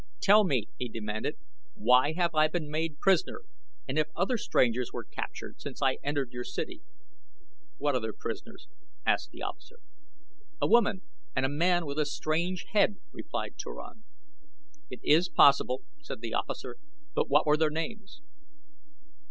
"Tell me," he demanded, "why I have been made prisoner, and if other strangers were captured since I entered your city." "What other prisoners?" asked the officer. "A woman, and a man with a strange head," replied Turan. "It is possible," said the officer; "but what were their names?"